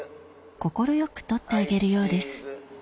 快く撮ってあげるようです